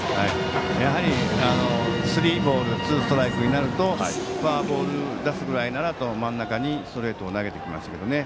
やはりスリーボールツーストライクになるとフォアボールを出すぐらいならと真ん中にストレートを投げてきますね。